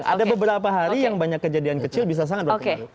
ada beberapa hari yang banyak kejadian kecil bisa sangat berpengaruh